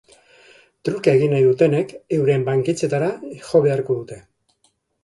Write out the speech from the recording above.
Trukea egin nahi dutenek euren banketxeetara jo beharko dute.